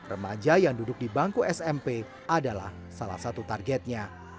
remaja yang duduk di bangku smp adalah salah satu targetnya